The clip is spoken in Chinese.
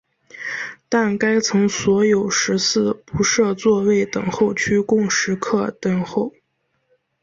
但该层所有食肆不设座位等候区供食客等候。